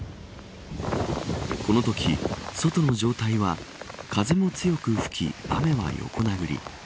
このとき、外の状態は風も強く吹き、雨は横殴り。